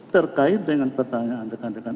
terkait dengan pertanyaan rekan rekan